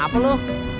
nah apa lu